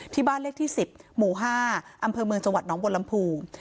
ที่บ้านเลขที่๑๐หมู่๕อำเภอเมืองจังหวัดน้องบนลำพู